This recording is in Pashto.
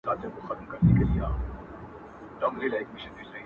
• دلته د يوې ځواني نجلۍ درد بيان سوی دی چي له ..